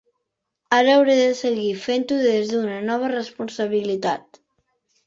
Ara hauré de seguir fent-ho des d’una nova responsabilitat.